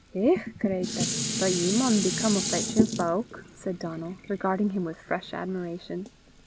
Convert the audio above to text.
"Hech, cratur! but ye maun be come o' fechtin' fowk!" said Donal, regarding him with fresh admiration.